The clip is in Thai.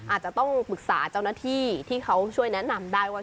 อาจจะต้องปรึกษาเจ้าหน้าที่ที่เขาช่วยแนะนำได้ว่า